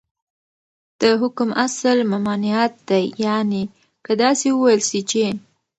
دحكم اصل ، ممانعت دى يعني كه داسي وويل سي چې